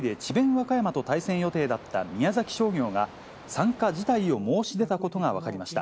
和歌山と対戦予定だった宮崎商業が、参加辞退を申し出たことが分かりました。